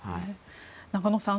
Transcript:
中野さん